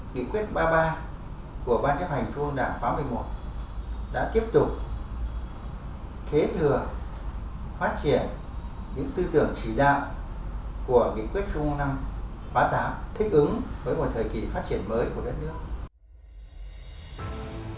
nghị quyết trung mương năm đã tiếp tục kế thừa phát triển những tư tường chỉ đạo của nghị quyết trung mương năm phát áp thích ứng với một thời kỳ phát triển mới của đất nước